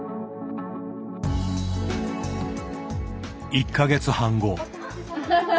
１か月半後。